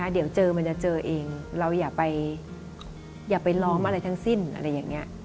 เดี๋ยวมันจะเจอเองเราอย่าไปล้อมอะไรทั้งสิ้น